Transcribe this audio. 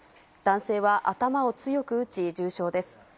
男性は頭を強く打ち重傷です。